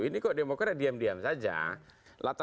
ini kok demokrat diam diam saja